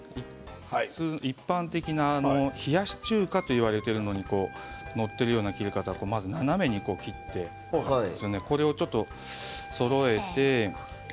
一般的な冷やし中華といわれているのに載っている切り方は斜めに切ってこれをちょっとそろえて。